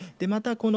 また